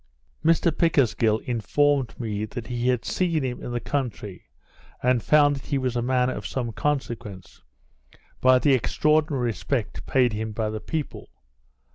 Mr Pickersgill informed me that he had seen him in the country, and found that he was a man of some consequence, by the extraordinary respect paid him by the people.